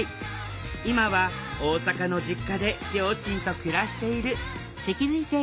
今は大阪の実家で両親と暮らしている。